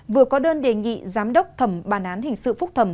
vừa có đơn đề nghị giám đốc thẩm bản án hình sự phúc thẩm